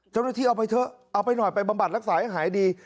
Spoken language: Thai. เจ้าหน้าที่เอาไปเถอะเอาไปหน่อยไปบำบัดรักษาให้หายดี